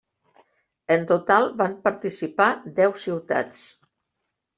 En total van participar deu ciutats.